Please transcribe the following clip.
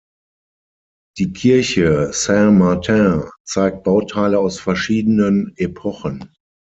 Die Kirche Saint-Martin zeigt Bauteile aus verschiedenen Epochen.